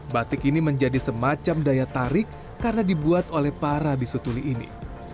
batik ini menjadi semacam daya tarik karena dibuat oleh para bisu tuli ini